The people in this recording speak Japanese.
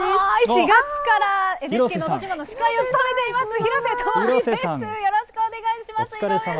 ４月からＮＨＫののど自慢の司会を務めています廣瀬智美です。